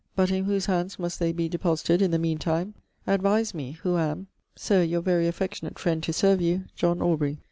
But in whose hands must they be deposited in the mean time? advise me, who am, Sir, Your very affectionate friend to serve you, JOHN AUBREY.